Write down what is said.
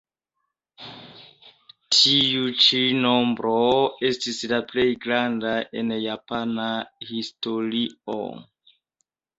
Tiu ĉi nombro estis la plej granda en japana historio.